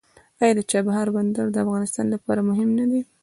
آیا د چابهار بندر د افغانستان لپاره مهم نه دی؟